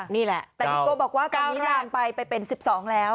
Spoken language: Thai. นี่แหละแต่พี่โก้บอกว่าตอนนี้ลามไปไปเป็น๑๒แล้ว